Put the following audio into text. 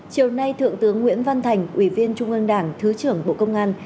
chiều nay thượng tướng nguyễn văn thành ủy viên trung ương đảng thứ trưởng bộ công an